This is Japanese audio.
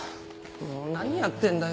もう何やってんだよ